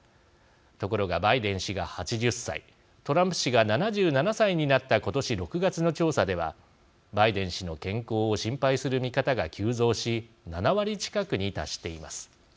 ところがバイデン氏が８０歳トランプ氏が７７歳になった今年６月の調査ではバイデン氏の健康を心配する見方が急増し７割近くに達しています。